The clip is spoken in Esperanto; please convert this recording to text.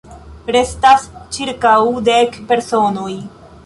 Restas ĉirkaŭ dek personoj.